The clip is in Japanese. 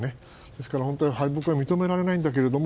ですから敗北は認められないけど